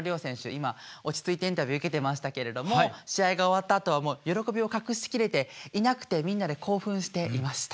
今落ち着いてインタビュー受けてましたけれども試合が終わったあとはもう喜びを隠しきれていなくてみんなで興奮していました。